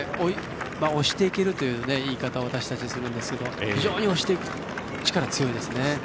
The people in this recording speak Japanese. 押していけるという言い方を私たちはするんですが非常に押していく力が強いですね。